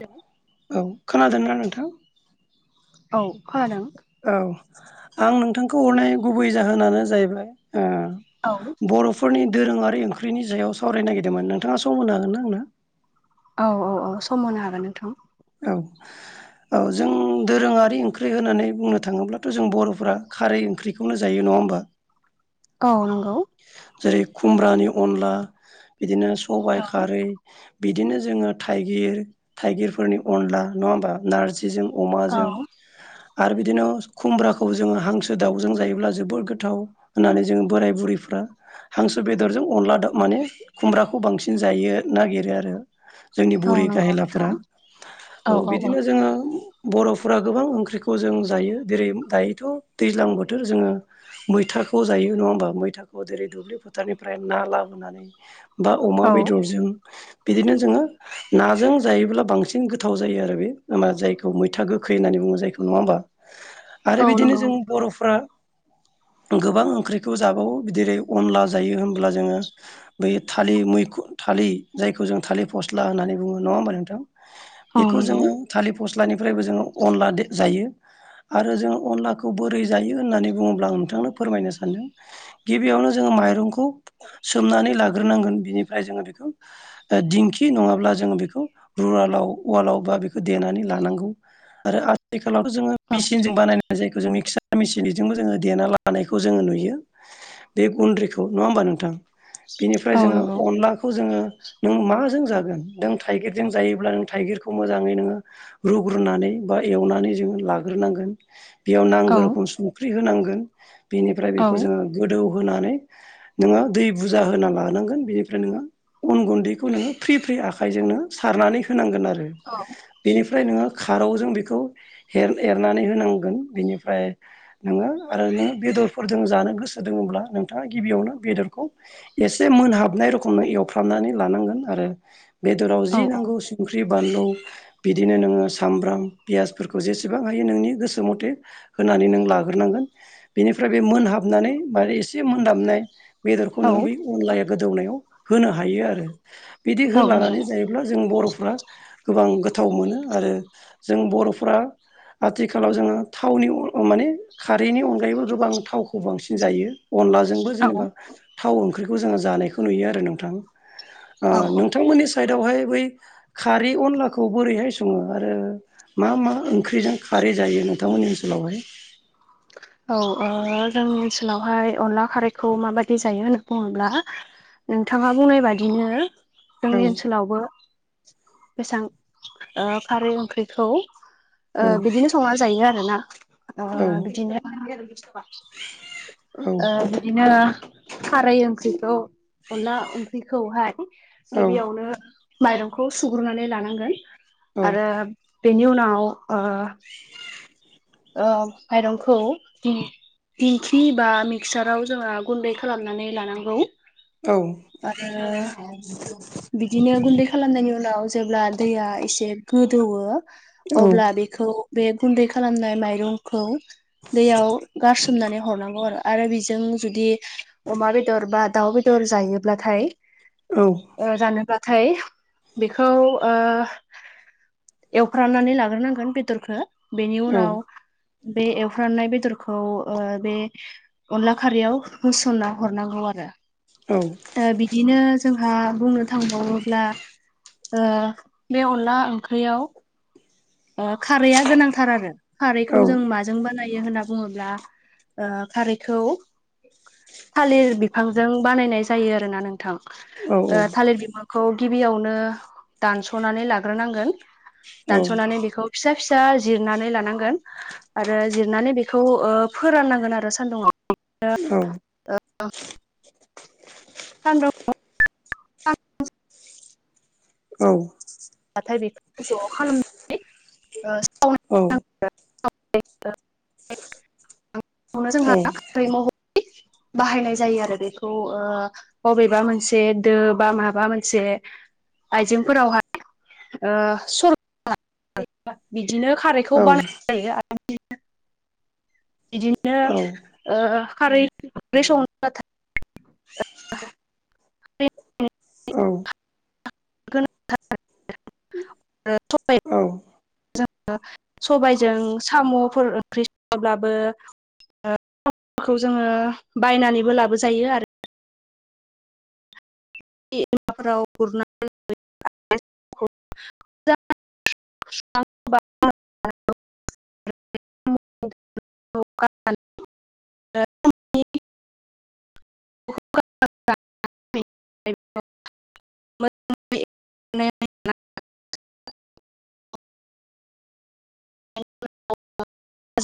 Hello औ खोनादोंनाा नोंथां औ खोनादों औ आं नोंथांखौ हरनाय गुबै जाहोनानो जाहैबाय औ ओ बरफ फोरनि दोरों आरो ओंख्रिनि सायाव सावरायनो नागिरदोंमोन नोंथाङा सम होनो हागोन ना आंनो औ औ औ सम होनो हागोन नोंथां। औ औ जों दोरोङारि ओंख्रि होननानै बुंनो थाङोब्लाथ' जों बर'फोरा खारै ओंख्रि बेखौनो जायो नङा होमबा। औ नंगौ। जेरै खुमब्रानि अनला बिदिनो सबाइ औ खारै बिदिनो जोङो थाइगिर थाइगिरफोरनि अनला नङा होमबा नारजिजों अमाजों आरो बिदिनो खुमब्राखौ जोङो हांसो दाउजों जायोब्ला जोबोर गोथाव होननानै जोंङो बोराय बुरैफ्रा हांसो बेदरजों अनला माने खुमब्राखौ बांसिन जायो नागिरो आरो। जोंनि औ बुरि नंगौ नोंथां गाहेलाफोरा औ बिदिनो जोङो बर'फोरा गोबां ओंख्रिखौ जों जायो जेरै दायोथ' दैज्लां बोथोर जोङो मैथाखौ जायो नङा होमबा मैथाखौ जेरै दुब्लि फोथारनिफ्राय ना लाबोनानै बा अमा औ बेदरजों बिदिनो जोङो नाजों जायोब्ला बांसिन गोथाव जायो आरो बे होमा जायखौ मैथा गोखै होननानै बुङो जखौ नङा होमबा। आरो औ बिदिनो नंगौ जों बर'फ्रा गोबां ओंख्रिखौ जाबावो जेरै अनला जायो होनब्ला जोङो बै थालिर मैख थालिर जायखौ जों थालिर फस्ला होननानै बुङो नङा होमबा नोंथा। औ बेखौ नंगौ जोङो थालिर फस्लानिफ्रायबो जोङो अनला जायो। आरो जों अनलाखौ बोरै जायो होननानै बुङोब्ला आं नोंथांनो फोरमायनो सानदों। गिबियावनो जोङो माइरंखौ सोमनानै लाग्रोनांगोन बिनिफ्राय जोङो बेखौ। ओ दिंखि नङाब्ला जोङो बेखौ रुरालाव उवालाव बा बेखौ देनानै लानांगौ आरो आथिखालावथ' जोङो मिचिन जों बानायनाय। जायखौ जों मिक्सार मेसिनजोंबो जोङो देना लानायखौ जोङो नुयो। बे गुन्द्रिखौ नङा होमबा नोंथां। बेनिफ्राय औ जोङो नंगौ अनलाखौ जोङो नों माजों जागोन नों थाइगिर जों जायोब्ला नों थाइगिरखौ मोजाङै नोङो। रुग्रोनानै बा एवनानै जोङो लाग्रोनांगोन। बेयाव औ नांगौ रोखोम संख्रि होनांगोन बेनिफ्राय औ बेखौ जोङो गोदौ होनानै। नोङो दै बुरजा होना लानांगोन बेनिफ्राय नोङो। अन गुन्दैखौ नोङो फ्रि फ्रि आखाइजोंनो सारनानै होनांगोन आरो। औ। बेनिफ्राय नोङो खारौजों बेखौ एरनानै होनांगोन बेनिफ्राय नोङो आरो नोङो बेदरफोरजों जानो गोसो दङब्ला नोंथाङा गिबियावनो बेदरखौ एसे मोनहाबनाय रखम एवफ्रामनानै लानांगोन आरो बेदराव औ नंगौ औ जि नांगौ संख्रि बानलु बिदिनो नोङो सामब्राम पियासफोरखौ जेसेबां हायो नोंनि गोसो मथे होनानै नों लाग्रोनांगोन बेनिफ्राय बे मोनहाबनानै बा एसे मोन हाबनाय बेदरखौ औ नोङो बै अनलाया गोदौनायाव होनो हायो आरो बिदि जोंनि होलानानै जायोबा जों बर'फ्रा गोबां गोथाव मोनो आरो जों बर'फ्रा आथिखालाव जोङो थावनि माने खारैनि अनगायैबो गोबां थावखौ बांसिन जायो। अनलाजोंबो जेनेबा थाव ओंख्रिखौ जोङो जानायखौ नुयो आरो नोंथां। ओ नोंथांमोननि साइदआवहाय बै खारै अनलाखौ बोरैहाय सङो आरो। मा मा ओंख्रिजों खारै जायो नोंथांमोननि ओनसोलावहाय। औ जोंनि ओनसोलावहाय अनला खारैखौ माबायदि जायो होननानै बुङोब्ला। नोंथाङा बुंनाय बादिनो औ जोंनि ओनसोलावबो बेसेबां खारै ओंख्रिखौ औ बिदिनो संना जायो आरोना औ बिदिनो औ बिदिनो खारै ओंख्रिखौ अनला ओंख्रिखौहाय औ गिबियावनो माइरंखौ सुग्रुनानै लानांगोन औ आरो बेनि उनाव ओ माइरंखौ। दिंखि बा मिक्साराव जोङो गुन्दै खालामनानै लानांगौ औ आरो। बिदिनो गुन्दै खालामनायनि उनाव जेब्ला दैया एसे गोदौवो औ अब्ला बे बेखौ बे गुन्दै खालामनाय माइरंखौ दैयाव गारसोमनानै हरनांगौ आरो। आरो बेजों जुदि अमा बेदर बा दाउ बेदर जायोब्लाथाय औ जानोब्लाथाय बेखौ एवफ्रामनानै लाग्रोनांगोन बेदरखौ बेनि उनाव औ बे एवफ्रामनाय बेदरखौ बे अनला खारैयाव होसनना हरनांगौ आरो। औ। बिदिनो जोंहा बुंनो थांबावोब्ला। बे अनला ओंख्रियाव खारैया गोनांथार आरो खारैखौ जों माजों जों बानायो होनना बुङोब्ला ओ खारैखौ थालिर बिफांजों बानायनाय जायो आरो ना नोंथां औ ओ थालिर बिफांखौ गिबियावनो दानस'नानै लाग्रोनांगोन सस'नानै बेखौ फिसा फिसा जिरनानै लानांगोन आरो जिरनानै बेखौ ओ फोराननांगोन आरो सान्दुङाव औ सान्दुं औ नाथाय बेखौ ज' खालामनानै ओ औ [unintelligible] [unintelligible] औ बाहायनाय जायो आरो बेखौ ओ बबेबा मोनसे दो बा माबा मोनसे आइजेंफोरावहाय ओ सरनानै बिदिनो खारैखौ औ बानायनाय जायो आरो बिदिनो ओ औ खारै [unintelligible] औ [unintelligible] औ जों सबायजों साम'फोर ओंख्रि संब्लाबो खौ जोङो बायनानैबो लाबोजायो आरो [unintelligible] [inaudible] [unintelligible] [unintelligible]